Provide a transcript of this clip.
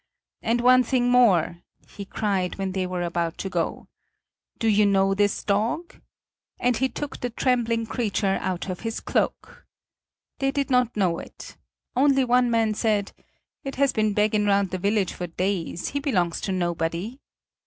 And one thing more," he cried, when they were about to go: "do you know this dog?" And he took the trembling creature out of his cloak. They did not know it. Only one man said: "He has been begging round the village for days; he belongs to nobody."